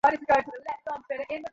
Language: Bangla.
দেখতে পাচ্ছো না তুমি?